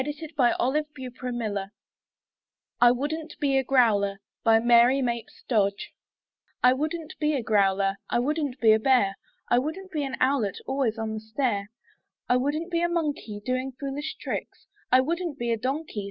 158 IN THE NURSERY I WOULDNT BE A GROWLERS Mary Mapes Dodge I wouldn't be a growler, I wouldn't be a bear I wouldn't be an owlet, Always on a stare; I wouldn't be a monkey. Doing foolish tricks; I wouldn't be a donkey.